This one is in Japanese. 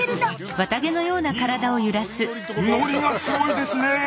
いやノリがすごいですね！